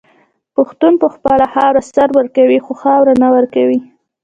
پښتون په خپله خاوره سر ورکوي خو خاوره نه ورکوي.